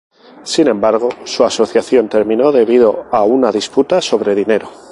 Sin embargo, su asociación terminó debido a una disputa sobre dinero.